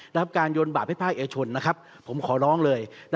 รับการโยนบาปให้ภาคเอกชนผมขอร้องเลย